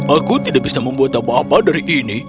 aku tidak bisa membuat apa apa dari ini